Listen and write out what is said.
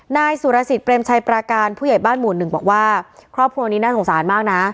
นายสุรสิทธิเปรมชัยปราการผู้ใหญ่บ้านหมู่หนึ่งบอกว่าครอบครัวนี้น่าสงสารมากนะ